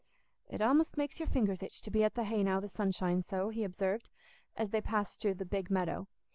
"It a'most makes your fingers itch to be at the hay now the sun shines so," he observed, as they passed through the "Big Meadow."